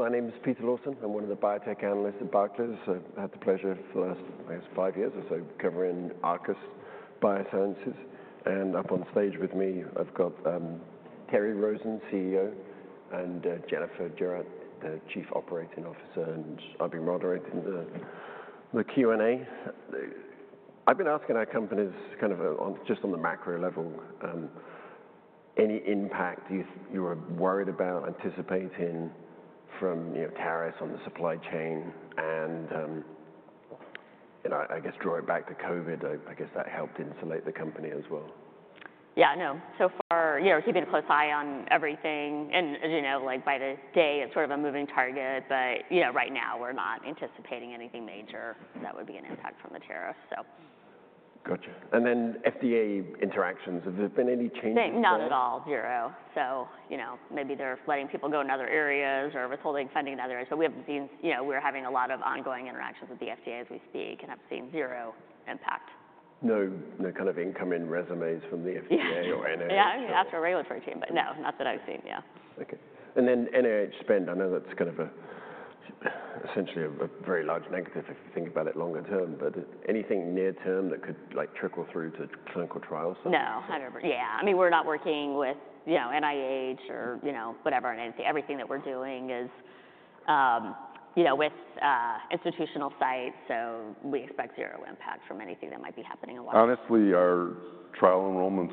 My name is Peter Lawson. I'm one of the biotech analysts at Barclays. I've had the pleasure for the last, I guess, five years or so covering Arcus Biosciences. Up on stage with me, I've got Terry Rosen, CEO, and Jennifer Jarrett, the Chief Operating Officer. I'll be moderating the Q&A. I've been asking our companies, kind of just on the macro level, any impact you were worried about, anticipating from tariffs on the supply chain. I guess, drawing back to COVID, I guess that helped insulate the company as well. Yeah, no. So far, keeping a close eye on everything. By the day, it's sort of a moving target. Right now, we're not anticipating anything major that would be an impact from the tariffs. Gotcha. FDA interactions, have there been any changes? Not at all, zero. Maybe they're letting people go in other areas or withholding funding in other areas. We haven't seen, we're having a lot of ongoing interactions with the FDA as we speak and have seen zero impact. No kind of incoming resumes from the FDA or NIH? Yeah, I mean, that's our regulatory team. No, not that I've seen, yeah. OK. NIH spend, I know that's kind of essentially a very large negative if you think about it longer term. Anything near term that could trickle through to clinical trials? No, I've never seen. Yeah, I mean, we're not working with NIH or whatever. Everything that we're doing is with institutional sites. We expect zero impact from anything that might be happening in Washington. Honestly, our trial enrollments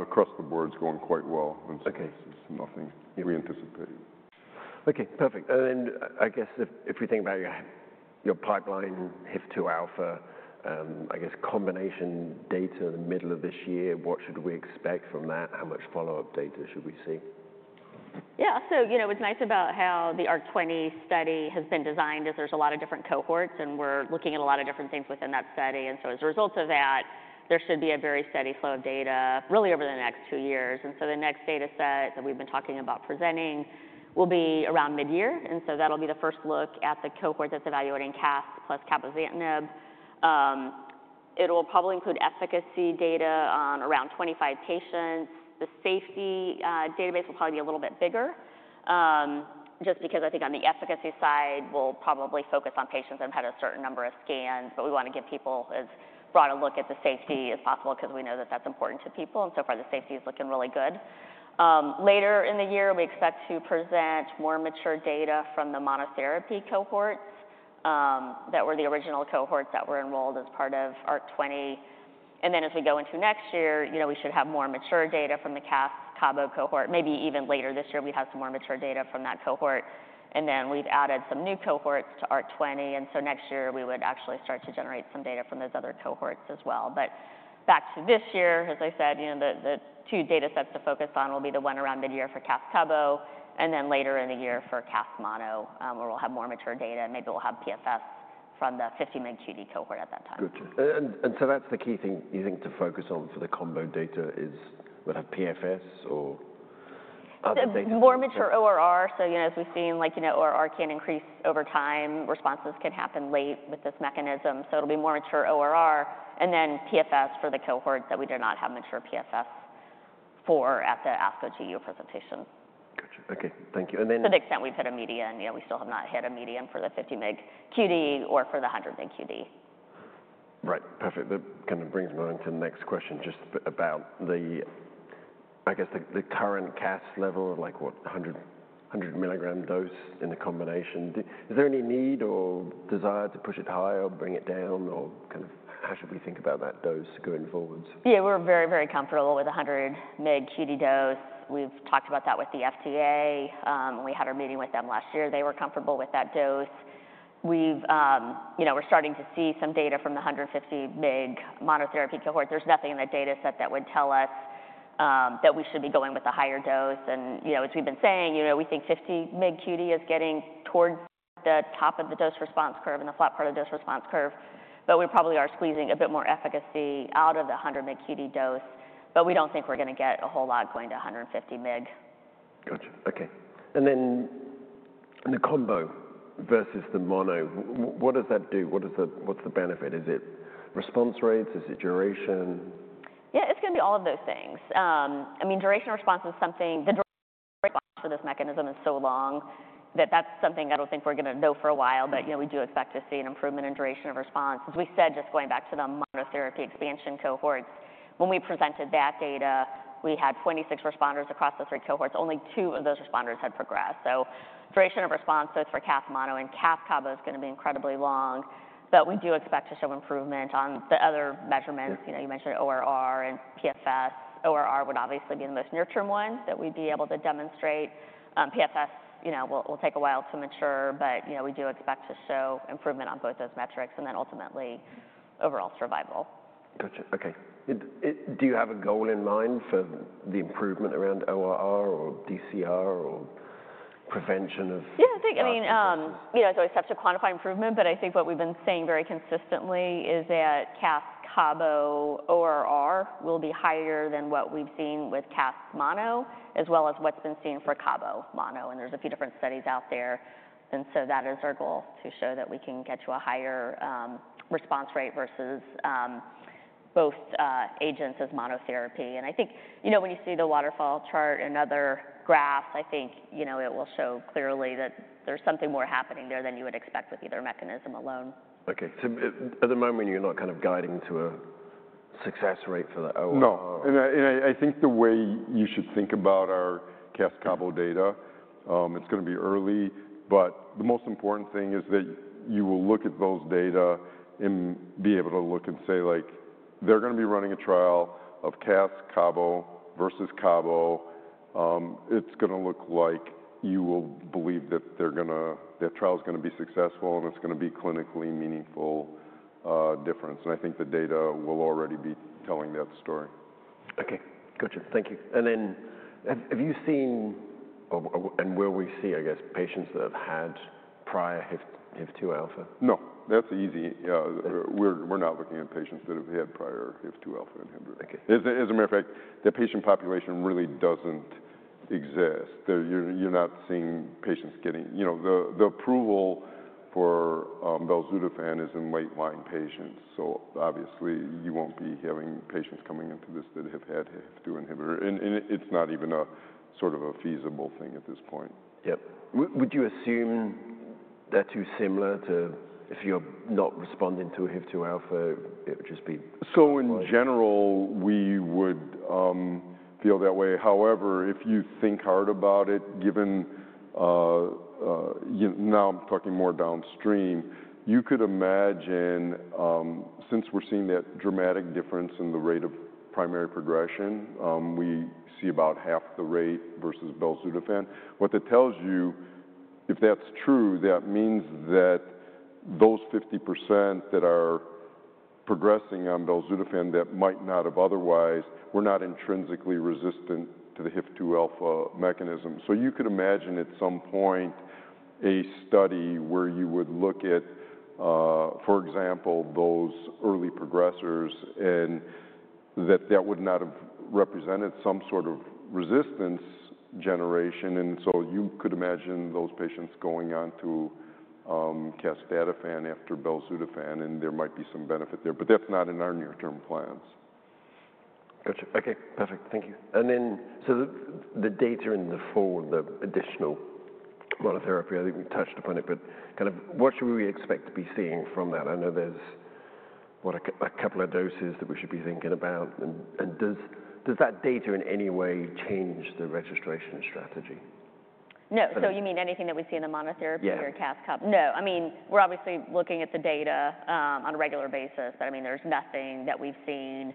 across the board are going quite well. Nothing we anticipate. OK, perfect. I guess, if we think about your pipeline, HIF-2α, I guess, combination data in the middle of this year, what should we expect from that? How much follow-up data should we see? Yeah, so what's nice about how the ARC-20 study has been designed is there's a lot of different cohorts. We're looking at a lot of different things within that study. As a result of that, there should be a very steady flow of data really over the next two years. The next data set that we've been talking about presenting will be around mid-year. That'll be the first look at the cohort that's evaluating casdatifan plus cabozantinib. It'll probably include efficacy data on around 25 patients. The safety database will probably be a little bit bigger just because I think on the efficacy side, we'll probably focus on patients that have had a certain number of scans. We want to give people as broad a look at the safety as possible because we know that that's important to people. So far, the safety is looking really good. Later in the year, we expect to present more mature data from the monotherapy cohorts that were the original cohorts that were enrolled as part of ARC-20. As we go into next year, we should have more mature data from the Cast+Cabo cohort. Maybe even later this year, we'd have some more mature data from that cohort. We have added some new cohorts to ARC-20. Next year, we would actually start to generate some data from those other cohorts as well. Back to this year, as I said, the two data sets to focus on will be the one around mid-year for Cast+Cabo and then later in the year for Cas-Mono, where we'll have more mature data. Maybe we'll have PFS from the 50 mg QD cohort at that time. Good. That is the key thing you think to focus on for the combo data—is we'll have PFS or? More mature ORR. As we've seen, ORR can increase over time. Responses can happen late with this mechanism. It'll be more mature ORR. PFS for the cohorts that we do not have mature PFS for at the ASCO GU presentation. Gotcha. OK, thank you. And then. To the extent we've hit a median, we still have not hit a median for the 50 mg QD or for the 100 mg QD. Right, perfect. That kind of brings me on to the next question just about the, I guess, the current casdatifan level of, like, what, 100 milligram dose in the combination. Is there any need or desire to push it higher or bring it down? Or kind of how should we think about that dose going forward? Yeah, we're very, very comfortable with the 100 mg QD dose. We've talked about that with the FDA. We had our meeting with them last year. They were comfortable with that dose. We're starting to see some data from the 150 mg monotherapy cohort. There's nothing in that data set that would tell us that we should be going with a higher dose. As we've been saying, we think 50 mg QD is getting towards the top of the dose response curve and the flat part of the dose response curve. We probably are squeezing a bit more efficacy out of the 100 mg QD dose. We don't think we're going to get a whole lot going to 150 mg. Gotcha. OK. The combo versus the mono, what does that do? What's the benefit? Is it response rates? Is it duration? Yeah, it's going to be all of those things. I mean, duration of response is something, the duration of response for this mechanism is so long that that's something I don't think we're going to know for a while. We do expect to see an improvement in duration of response. As we said, just going back to the monotherapy expansion cohorts, when we presented that data, we had 26 responders across the three cohorts. Only two of those responders had progressed. Duration of response, both for Cas-Mono and Cast+Cabo, is going to be incredibly long. We do expect to show improvement on the other measurements. You mentioned ORR and PFS. ORR would obviously be the most near-term one that we'd be able to demonstrate. PFS will take a while to mature. We do expect to show improvement on both those metrics and then ultimately overall survival. Gotcha. OK. Do you have a goal in mind for the improvement around ORR or DCR or prevention of? Yeah, I think, I mean, it's always tough to quantify improvement. I think what we've been saying very consistently is that Cast+Cabo ORR will be higher than what we've seen with Cas-Mono as well as what's been seen for Cabo-Mono. There's a few different studies out there. That is our goal, to show that we can get to a higher response rate versus both agents as monotherapy. I think when you see the waterfall chart and other graphs, I think it will show clearly that there's something more happening there than you would expect with either mechanism alone. OK. At the moment, you're not kind of guiding to a success rate for the ORR? No. I think the way you should think about our Cast+Cabo data, it's going to be early. The most important thing is that you will look at those data and be able to look and say, like, they're going to be running a trial of Cast+Cabo versus Cabo. It's going to look like you will believe that their trial is going to be successful and it's going to be clinically meaningful difference. I think the data will already be telling that story. OK, gotcha. Thank you. Have you seen and will we see, I guess, patients that have had prior HIF-2α? No, that's easy. We're not looking at patients that have had prior HIF-2α inhibitor. As a matter of fact, the patient population really doesn't exist. You're not seeing patients getting the approval for belzutifan is in late-line patients. Obviously, you won't be having patients coming into this that have had HIF-2α inhibitor. It's not even sort of a feasible thing at this point. Yeah. Would you assume they're too similar to if you're not responding to HIF-2α, it would just be? In general, we would feel that way. However, if you think hard about it, given now I'm talking more downstream, you could imagine, since we're seeing that dramatic difference in the rate of primary progression, we see about half the rate versus belzutifan. What that tells you, if that's true, that means that those 50% that are progressing on belzutifan that might not have otherwise, were not intrinsically resistant to the HIF-2α mechanism. You could imagine at some point a study where you would look at, for example, those early progressors and that that would not have represented some sort of resistance generation. You could imagine those patients going on to casdatifan after belzutifan. There might be some benefit there. That is not in our near-term plans. Gotcha. OK, perfect. Thank you. The dates are in the fall, the additional monotherapy. I think we touched upon it. Kind of what should we expect to be seeing from that? I know there's a couple of doses that we should be thinking about. Does that data in any way change the registration strategy? No. You mean anything that we see in the monotherapy or casdatifan-cabozantinib? Yeah. No. I mean, we're obviously looking at the data on a regular basis. I mean, there's nothing that we've seen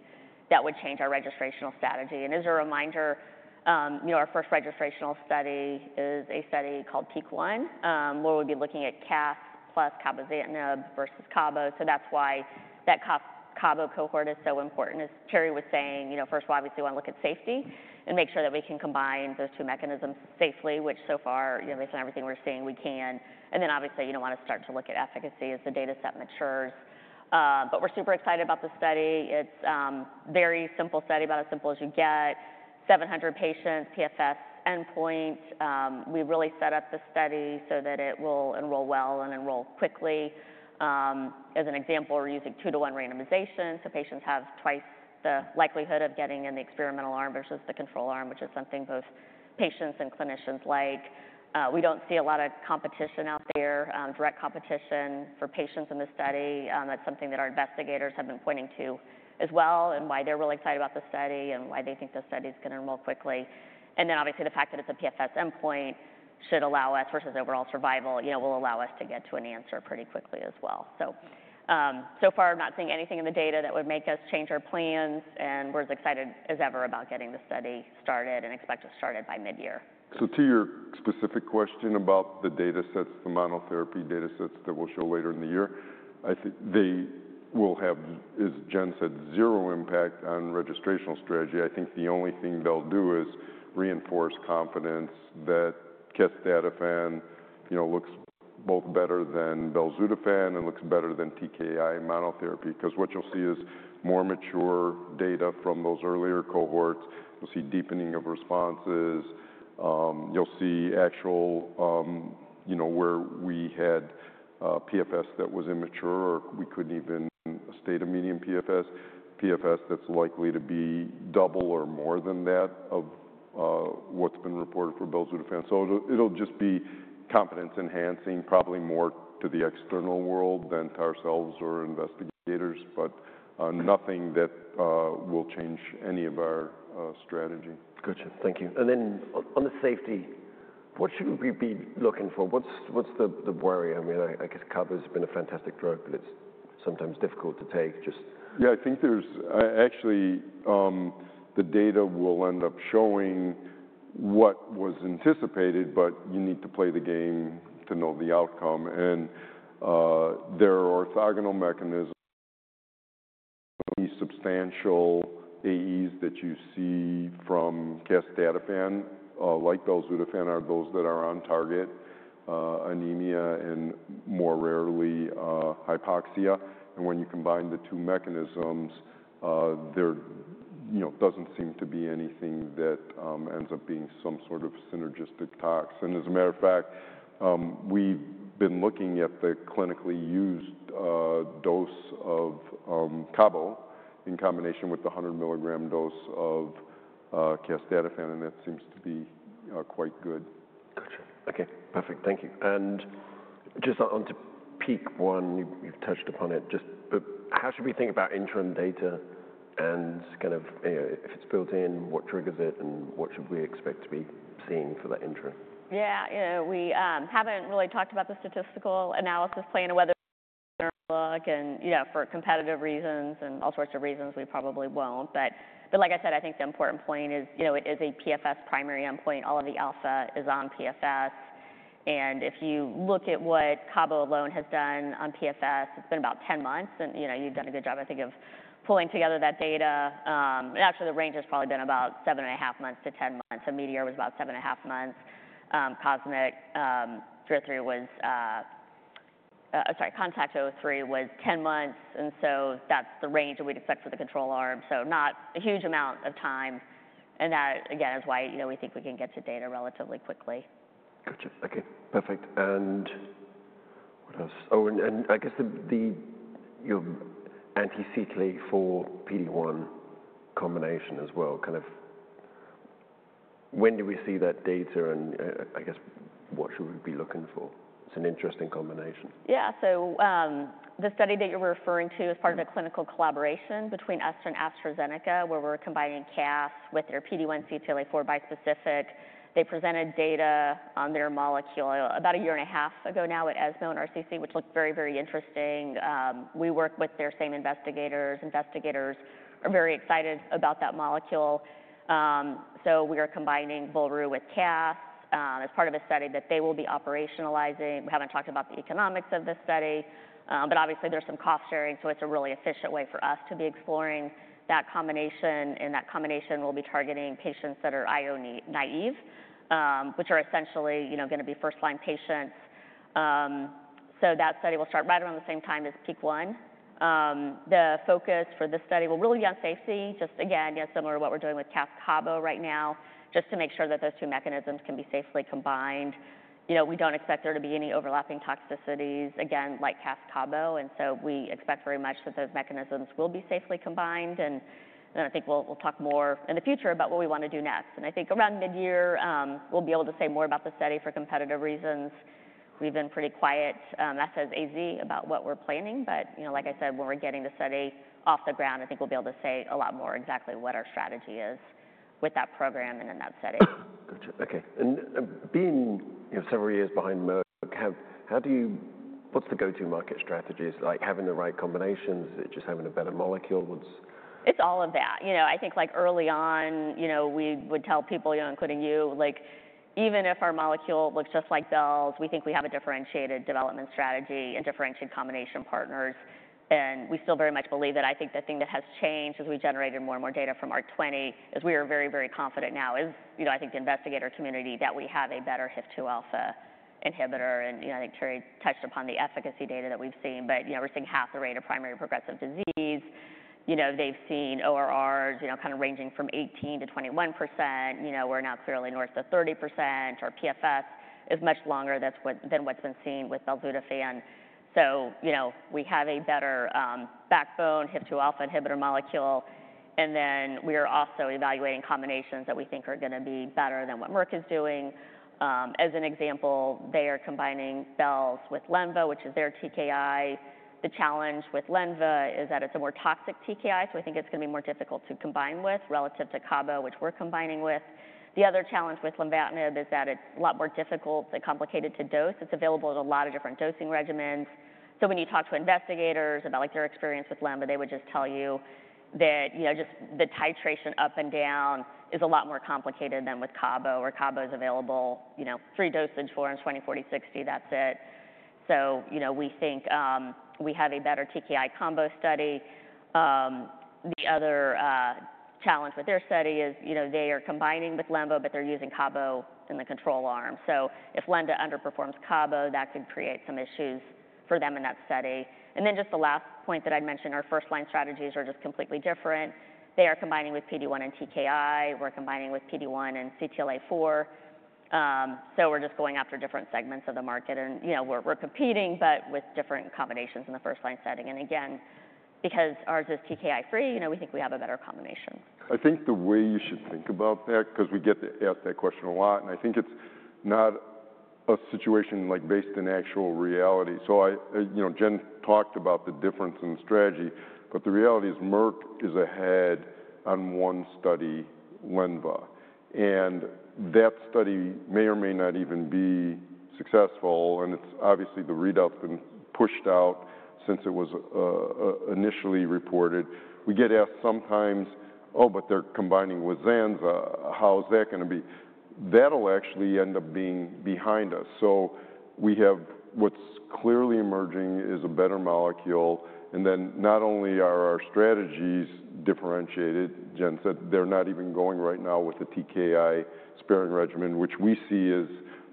that would change our registrational strategy. As a reminder, our first registrational study is a study called PEAK-1, where we'll be looking at casdatifan plus cabozantinib versus cabo. That's why that Cas+Cabo cohort is so important. As Terry was saying, first, we obviously want to look at safety and make sure that we can combine those two mechanisms safely, which so far, based on everything we're seeing, we can. Obviously, you want to start to look at efficacy as the data set matures. We're super excited about the study. It's a very simple study, about as simple as you get. 700 patients, PFS endpoint. We really set up the study so that it will enroll well and enroll quickly. As an example, we're using two-to-one randomization. So patients have twice the likelihood of getting in the experimental arm versus the control arm, which is something both patients and clinicians like. We don't see a lot of competition out there, direct competition for patients in the study. That's something that our investigators have been pointing to as well and why they're really excited about the study and why they think the study is going to enroll quickly. Obviously, the fact that it's a PFS endpoint should allow us versus overall survival will allow us to get to an answer pretty quickly as well. So far, I'm not seeing anything in the data that would make us change our plans. We're as excited as ever about getting the study started and expect it started by mid-year. To your specific question about the data sets, the monotherapy data sets that we'll show later in the year, I think they will have, as Jen said, zero impact on registrational strategy. I think the only thing they'll do is reinforce confidence that casdatifan looks both better than belzutifan and looks better than TKI monotherapy. Because what you'll see is more mature data from those earlier cohorts. You'll see deepening of responses. You'll see actual, where we had PFS that was immature or we couldn't even state a median PFS, PFS that's likely to be double or more than that of what's been reported for belzutifan. It'll just be confidence enhancing, probably more to the external world than to ourselves or investigators. Nothing that will change any of our strategy. Gotcha. Thank you. And then on the safety, what should we be looking for? What's the worry? I mean, I guess KABO has been a fantastic drug. But it's sometimes difficult to take just. Yeah, I think there's actually, the data will end up showing what was anticipated. You need to play the game to know the outcome. There are orthogonal mechanisms, substantial AEs that you see from casdatifan, like belzutifan, are those that are on target, anemia, and more rarely hypoxia. When you combine the two mechanisms, there doesn't seem to be anything that ends up being some sort of synergistic tox. As a matter of fact, we've been looking at the clinically used dose of cabo in combination with the 100 milligram dose of casdatifan. That seems to be quite good. Gotcha. OK, perfect. Thank you. Just onto PEAK-1, you've touched upon it. Just how should we think about interim data and kind of if it's built in, what triggers it, and what should we expect to be seeing for that interim? Yeah, we haven't really talked about the statistical analysis plan and whether we'll look. Yeah, for competitive reasons and all sorts of reasons, we probably won't. Like I said, I think the important point is it is a PFS primary endpoint. All of the alpha is on PFS. If you look at what Cabo alone has done on PFS, it's been about 10 months. You've done a good job, I think, of pulling together that data. Actually, the range has probably been about 7 and 1/2 months to 10 months. Meteor was about 7 and 1/2 months. CONTACT-03 was 10 months. That's the range that we'd expect for the control arm. Not a huge amount of time. That, again, is why we think we can get to data relatively quickly. Gotcha. OK, perfect. What else? Oh, I guess the anti-CTLA-4 PD-1 combination as well. Kind of when do we see that data? I guess what should we be looking for? It's an interesting combination. Yeah, so the study that you're referring to is part of the clinical collaboration between Arcus and AstraZeneca, where we're combining quemliclustat with their PD-1 CTLA-4 bispecific. They presented data on their molecule about a year and a half ago now at ESMO and RCC, which looked very, very interesting. We work with their same investigators. Investigators are very excited about that molecule. We are combining volrustomig with quemliclustat as part of a study that they will be operationalizing. We haven't talked about the economics of this study. Obviously, there's some cost sharing. It's a really efficient way for us to be exploring that combination. That combination will be targeting patients that are IO naive, which are essentially going to be first-line patients. That study will start right around the same time as PEAK-1. The focus for this study will really be on safety, just again, similar to what we're doing with Cas+Cabo right now, just to make sure that those two mechanisms can be safely combined. We don't expect there to be any overlapping toxicities, again, like Cas+Cabo. We expect very much that those mechanisms will be safely combined. I think we'll talk more in the future about what we want to do next. I think around mid-year, we'll be able to say more about the study for competitive reasons. We've been pretty quiet, as has AZ, about what we're planning. Like I said, when we're getting the study off the ground, I think we'll be able to say a lot more exactly what our strategy is with that program and in that setting. Gotcha. OK. Being several years behind Merck, what's the go-to market strategy? Is it like having the right combinations? Is it just having a better molecule? It's all of that. I think early on, we would tell people, including you, even if our molecule looks just like belzutifan's, we think we have a differentiated development strategy and differentiated combination partners. We still very much believe that. I think the thing that has changed as we generated more and more data from ARC-20 is we are very, very confident now, I think, the investigator community, that we have a better HIF-2α inhibitor. I think Terry touched upon the efficacy data that we've seen. We're seeing half the rate of primary progressive disease. They've seen ORRs kind of ranging from 18%-21%. We're now clearly north of 30%. Our PFS is much longer than what's been seen with belzutifan. We have a better backbone HIF-2α inhibitor molecule. We are also evaluating combinations that we think are going to be better than what Merck is doing. As an example, they are combining belzutifan with lenvatinib, which is their TKI. The challenge with lenvatinib is that it's a more toxic TKI. I think it's going to be more difficult to combine with relative to cabozantinib, which we're combining with. The other challenge with lenvatinib is that it's a lot more difficult, complicated to dose. It's available in a lot of different dosing regimens. When you talk to investigators about their experience with lenvatinib, they would just tell you that just the titration up and down is a lot more complicated than with cabozantinib, where cabozantinib is available in three dosage forms, 20, 40, 60. That's it. We think we have a better TKI combo study. The other challenge with their study is they are combining with lenvatinib, but they're using cabozantinib in the control arm. If lenvatinib underperforms cabozantinib, that could create some issues for them in that study. Just the last point that I'd mention, our first-line strategies are just completely different. They are combining with PD-1 and TKI. We're combining with PD-1 and CTLA-4. We're just going after different segments of the market. We're competing, but with different combinations in the first-line setting. Again, because ours is TKI-free, we think we have a better combination. I think the way you should think about that, because we get asked that question a lot, and I think it's not a situation based in actual reality. Jen talked about the difference in strategy. The reality is Merck is ahead on one study, Lenvo. That study may or may not even be successful. It's obviously the readout's been pushed out since it was initially reported. We get asked sometimes, oh, but they're combining with Zanza. How is that going to be? That'll actually end up being behind us. What's clearly emerging is a better molecule. Not only are our strategies differentiated, Jen said, they're not even going right now with the TKI sparing regimen, which we see is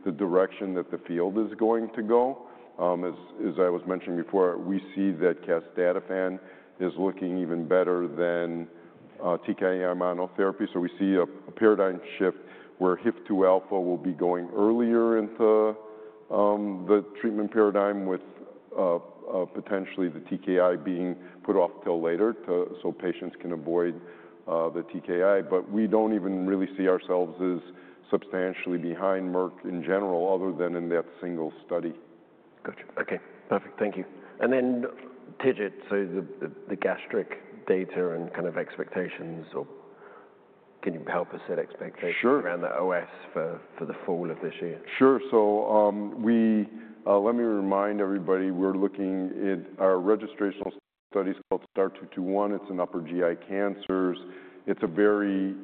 the direction that the field is going to go. As I was mentioning before, we see that casdatifan is looking even better than TKI monotherapy. We see a paradigm shift where HIF-2α will be going earlier into the treatment paradigm, with potentially the TKI being put off till later so patients can avoid the TKI. We do not even really see ourselves as substantially behind Merck in general, other than in that single study. Gotcha. OK, perfect. Thank you. And then TIGIT, so the gastric data and kind of expectations, or can you help us set expectations around the OS for the fall of this year? Sure. Let me remind everybody, we're looking at our registrational studies called STAR-221. It's in upper GI cancers. It's a very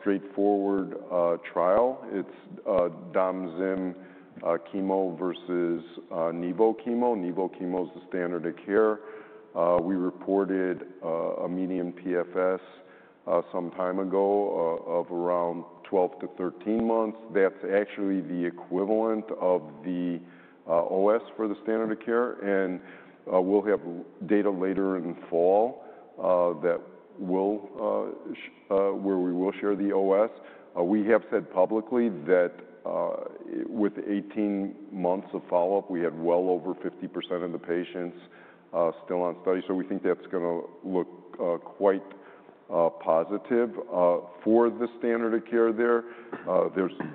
straightforward trial. It's domvanalimab chemo versus nivolumab chemo. Nivolumab chemo is the standard of care. We reported a median PFS some time ago of around 12-13 months. That's actually the equivalent of the OS for the standard of care. We'll have data later in fall where we will share the OS. We have said publicly that with 18 months of follow-up, we had well over 50% of the patients still on study. We think that's going to look quite positive for the standard of care there.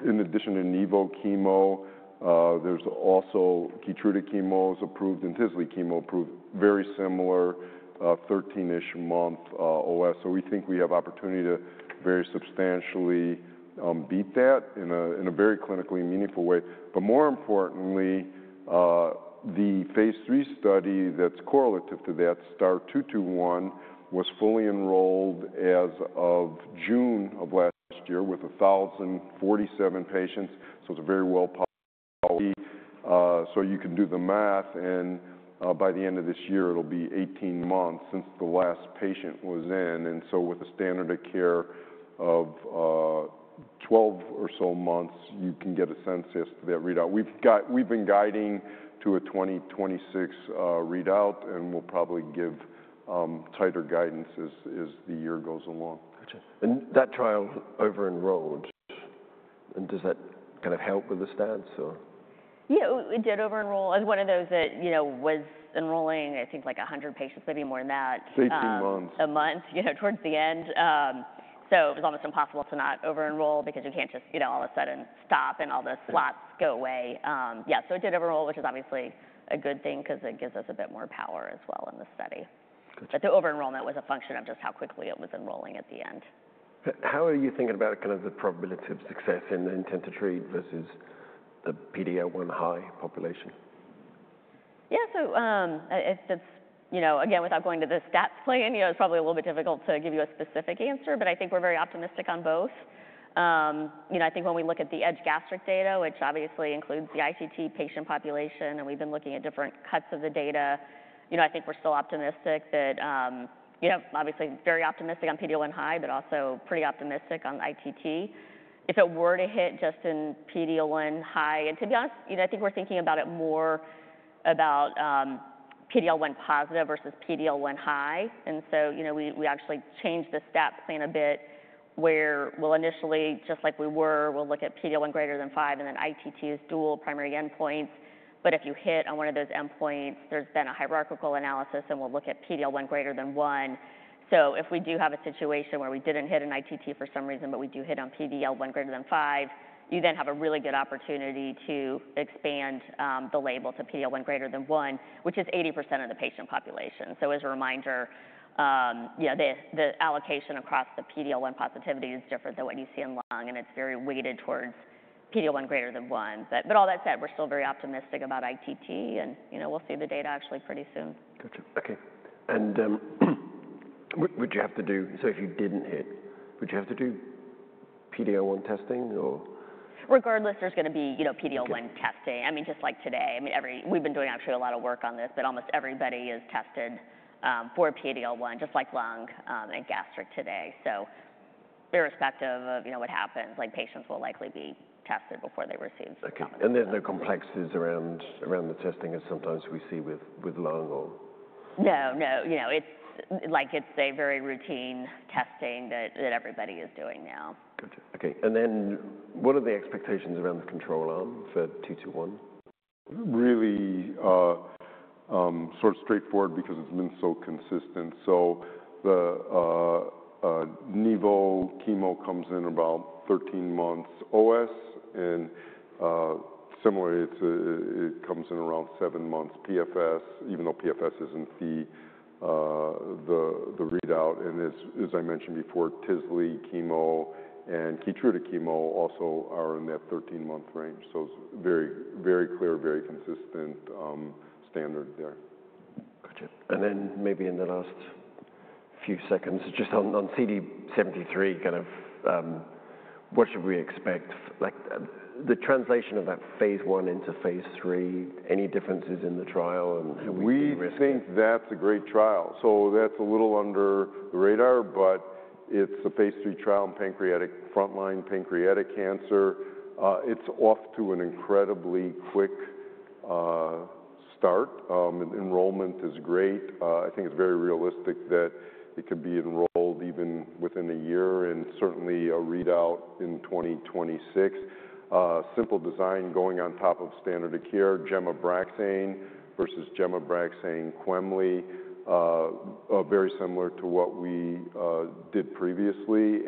In addition to nivolumab chemo, there's also Keytruda chemo is approved and tislelizumab chemo approved, very similar 13-ish month OS. We think we have opportunity to very substantially beat that in a very clinically meaningful way. More importantly, the phase III study that's correlative to that, STAR-221, was fully enrolled as of June of last year with 1,047 patients. It is very well-populated. You can do the math. By the end of this year, it will be 18 months since the last patient was in. With a standard of care of 12 or so months, you can get a sense as to that readout. We've been guiding to a 2026 readout. We'll probably give tighter guidance as the year goes along. Gotcha. That trial over-enrolled. Does that kind of help with the stats? Yeah, it did over-enroll. It was one of those that was enrolling, I think, like 100 patients, maybe more than that. 18 months. A month towards the end. It was almost impossible to not over-enroll because you can't just all of a sudden stop and all the slots go away. Yeah, it did over-enroll, which is obviously a good thing because it gives us a bit more power as well in the study. The over-enrollment was a function of just how quickly it was enrolling at the end. How are you thinking about kind of the probability of success in intent to treat versus the PD-L1 high population? Yeah, again, without going to the stats plan, it's probably a little bit difficult to give you a specific answer. I think we're very optimistic on both. I think when we look at the EDGE gastric data, which obviously includes the ITT patient population, and we've been looking at different cuts of the data, I think we're still optimistic, obviously very optimistic on PD-1 high, but also pretty optimistic on ITT. If it were to hit just in PD-1 high, and to be honest, I think we're thinking about it more about PD-1 positive versus PD-1 high. We actually changed the stat plan a bit where we'll initially, just like we were, look at PD-1 greater than five and then ITT as dual primary endpoints. If you hit on one of those endpoints, there's been a hierarchical analysis. We will look at PD-1 greater than one. If we do have a situation where we did not hit an ITT for some reason, but we do hit on PD-1 greater than five, you then have a really good opportunity to expand the label to PD-1 greater than one, which is 80% of the patient population. As a reminder, the allocation across the PD-1 positivity is different than what you see in lung. It is very weighted towards PD-1 greater than one. All that said, we are still very optimistic about ITT. We will see the data actually pretty soon. Gotcha. OK. And would you have to do, so if you did not hit, would you have to do PD-1 testing or? Regardless, there's going to be PD-1 testing. I mean, just like today. We've been doing actually a lot of work on this. Almost everybody is tested for PD-1, just like lung and gastric today. Irrespective of what happens, patients will likely be tested before they receive something. The complexities around the testing is sometimes we see with lung or? No, no. It's like a very routine testing that everybody is doing now. Gotcha. OK. What are the expectations around the control arm for 221? Really sort of straightforward because it's been so consistent. The nivolumab chemo comes in about 13 months OS. Similarly, it comes in around seven months PFS, even though PFS isn't the readout. As I mentioned before, tislelizumab chemo and Keytruda chemo also are in that 13-month range. It's very clear, very consistent standard there. Gotcha. Maybe in the last few seconds, just on CD73, kind of what should we expect? The translation of that phase I into phase III, any differences in the trial and how we see the risk? We think that's a great trial. That's a little under the radar. It's a phase III trial in frontline pancreatic cancer. It's off to an incredibly quick start. Enrollment is great. I think it's very realistic that it could be enrolled even within a year and certainly a readout in 2026. Simple design going on top of standard of care, GEM-Abraxane versus GEM-Abraxane Quemliclustat, very similar to what we did previously.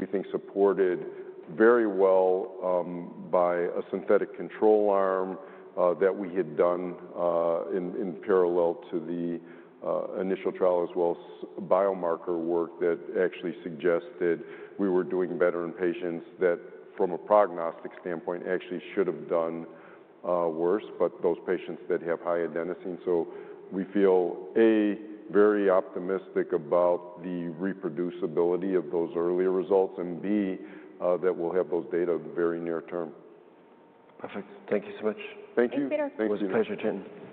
We think supported very well by a synthetic control arm that we had done in parallel to the initial trial as well as biomarker work that actually suggested we were doing better in patients that from a prognostic standpoint actually should have done worse, but those patients that have high adenosine. We feel, A, very optimistic about the reproducibility of those earlier results, and B, that we'll have those data very near term. Perfect. Thank you so much. Thank you. Thanks, Peter. It was a pleasure, Jen.